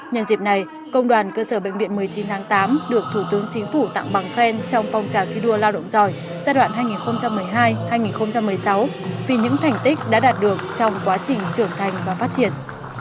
nhân dịp này công đoàn cơ sở bệnh viện một mươi chín tháng tám được thủ tướng chính phủ tặng bằng khen trong phong trào thi đua lao động giỏi giai đoạn hai nghìn một mươi hai hai nghìn một mươi sáu vì những thành tích đã đạt được trong quá trình trưởng thành và phát triển